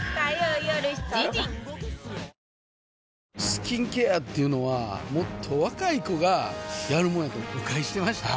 スキンケアっていうのはもっと若い子がやるもんやと誤解してました